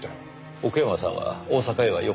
奥山さんは大阪へはよく？